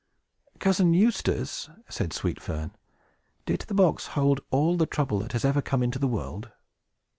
"Cousin Eustace," said Sweet Fern, "did the box hold all the trouble that has ever come into the world?"